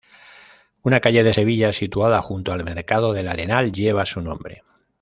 Una calle de Sevilla situada junto al Mercado del Arenal lleva su nombre.